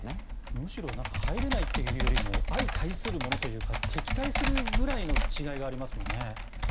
むしろ入れないというよりも相対するというものというか敵対するぐらいの違いがありますよね。